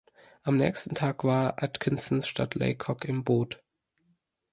Am nächsten Tag war Atkinson statt Laycock im Boot.